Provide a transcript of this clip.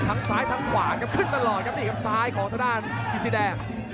ทั้งซ้ายทั้งขวาครับขึ้นตลอดครับนี่ครับซ้ายของทางด้านกิจสีแดง